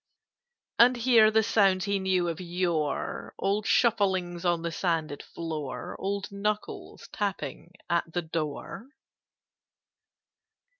] "And hear the sounds he knew of yore, Old shufflings on the sanded floor, Old knuckles tapping at the door?